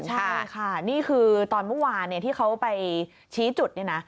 ใช่ค่ะนี่คือตอนเมื่อวานที่เขาไปชี้จุดนี่นะ